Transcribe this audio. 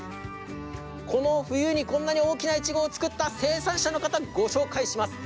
この冬に、こんなに大きなイチゴを作った生産者の方ご紹介します。